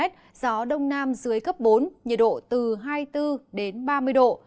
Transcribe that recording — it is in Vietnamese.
gió đông nam dưới cấp bốn nhiệt độ từ hai mươi bốn đến ba mươi độ